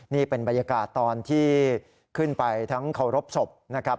นี่เป็นบรรยากาศตอนที่ขึ้นไปทั้งเคารพศพนะครับ